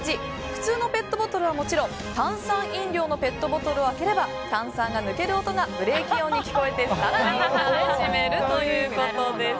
普通のペットボトルはもちろん炭酸飲料のペットボトルを開ければ炭酸が抜ける音がブレーキ音に聞こえて更に楽しめるということです。